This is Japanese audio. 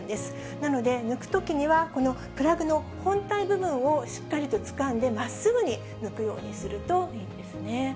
なので、抜くときには、このプラグの本体部分をしっかりとつかんで、まっすぐに抜くようにするといいんですね。